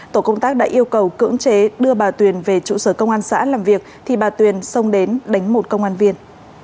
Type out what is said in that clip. tổ công tác đã yêu cầu cưỡng chế đưa bà tuyền về trụ sở công an xã làm việc thì bà tuyền xông đến đánh một công an viên